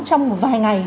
trong một vài ngày